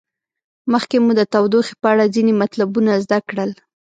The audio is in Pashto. مخکې مو د تودوخې په اړه ځینې مطلبونه زده کړل.